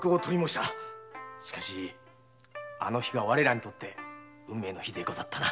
しかしあの日が我らにとって運命の日でござったな。